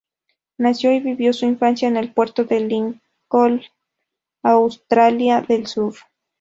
Nació y vivió su infancia en el Puerto de Lincoln, Australia del sur.